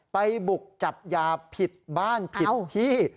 ไปบุกจับยาผิดบ้านผิดที่